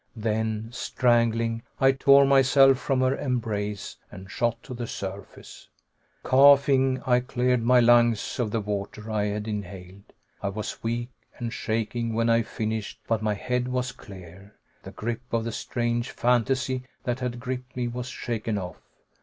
Then, strangling, I tore myself from her embrace and shot to the surface. Coughing, I cleared my lungs of the water I had inhaled. I was weak and shaking when I finished, but my head was clear. The grip of the strange fantasy that had gripped me was shaken off.